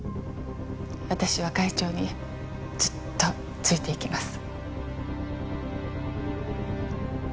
私は会長にずっとついていきます。